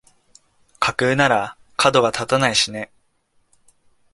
架空ならかどが立たないしね